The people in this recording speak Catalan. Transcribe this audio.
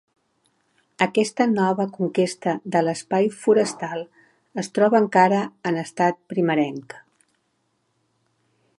Aquesta nova conquesta de l'espai forestal es troba encara en estat primerenc.